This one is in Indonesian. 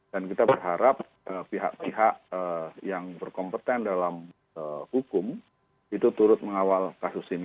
dan kita berharap pihak pihak yang berkompetensi dalam hukum itu turut mengawal kasus ini